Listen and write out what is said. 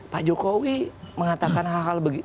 pak jokowi mengatakan hal hal begini